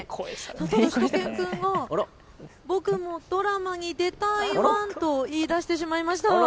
しゅと犬くんが僕もドラマに出たいワン！と言いだしてしまいました。